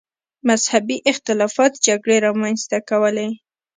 مذهبي اختلافات جګړې رامنځته کولې.